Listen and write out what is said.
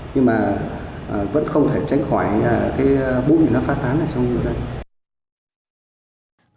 nhưng mà vẫn không thể tránh khỏi cái bụng này nó phát thán lại cho người dân